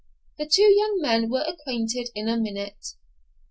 The two young men were acquainted in a minute.